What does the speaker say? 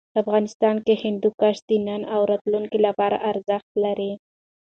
افغانستان کې هندوکش د نن او راتلونکي لپاره ارزښت لري.